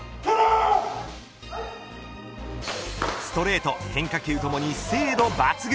ストレート、変化球ともに精度抜群。